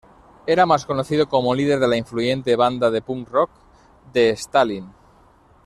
Era más conocido como líder de la influyente banda de punk rock The Stalin.